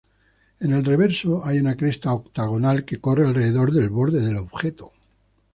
En el reverso hay una cresta octagonal, que corre alrededor del borde del objeto.